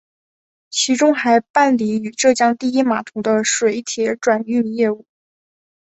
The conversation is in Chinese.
其中还办理与浙江第一码头的水铁转运业务。